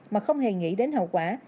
mà không hề nghĩ đến hậu quả